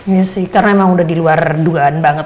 iya sih karena emang udah diluar dugaan banget